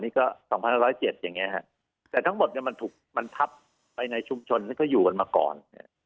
นี่ก็๒๑๐๗อย่างนี้แต่ทั้งหมดมันทับไปในชุมชนก็อยู่กันมาก่อน